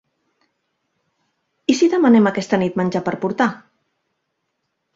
I si demanem aquesta nit menjar per portar?